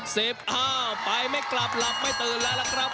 อ้าวไปไม่กลับหลับไม่ตื่นแล้วล่ะครับ